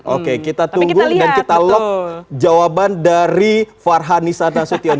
oke kita tunggu dan kita log jawaban dari farhani sadasution